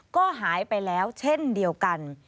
ก็หายไปแล้วเช่นเดียวกัน